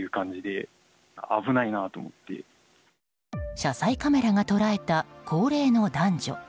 車載カメラが捉えた高齢の男女。